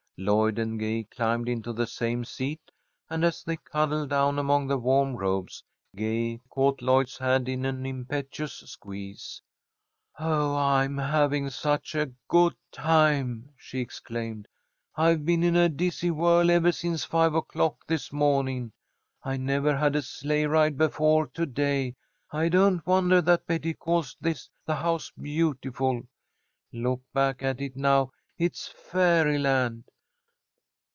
Lloyd and Gay climbed into the same seat, and, as they cuddled down among the warm robes, Gay caught Lloyd's hand in an impetuous squeeze. "Oh, I'm having such a good time!" she exclaimed. "I've been in a dizzy whirl ever since five o'clock this morning. I never had a sleigh ride before to day. I don't wonder that Betty calls this the House Beautiful. Look back at it now. It's fairy land!"